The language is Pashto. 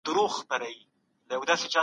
کوم عوامل د کلتور په بدلون کي اغیز لري؟